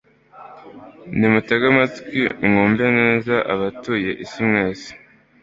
nimutege amatwi mwumve neza abatuye isi mwese